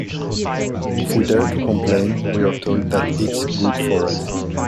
If we dare to complain, we're told that it's good for us.